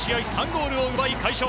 ３ゴールを奪い快勝。